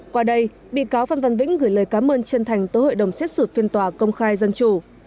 qua đây bị cáo phan văn vĩnh gửi lời cám ơn chân thành tới hội đồng xét xử phiên tòa công khai dân chủ